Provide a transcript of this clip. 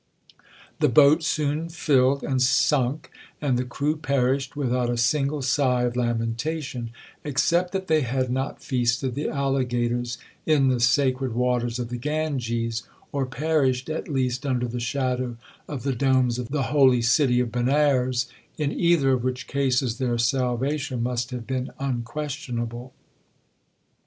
The boat soon filled and sunk, and the crew perished without a single sigh of lamentation, except that they had not feasted the alligators in the sacred waters of the Ganges, or perished at least under the shadow of the domes of the holy city of Benares, in either of which cases their salvation must have been unquestionable.